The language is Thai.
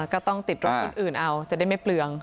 ก็ต้องติดรถคนอื่นเอาจะได้ไม่เปลือง